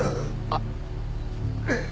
あっ。